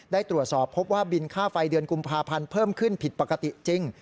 ได้ตรวจสอบพบว่าบินค่าไฟเดือนกุมภาพันธ์เพิ่มขึ้นผิดปกติจริง